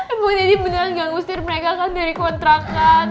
emang dede beneran nggak ngusir mereka kan dari kontrakan